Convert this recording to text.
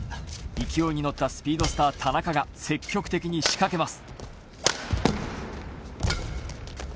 勢いにのったスピードスター・田中が積極的に仕掛けます。